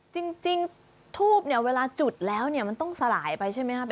จริงทูบเวลาจุดแล้วมันต้องสลายไปใช่ไหมครับ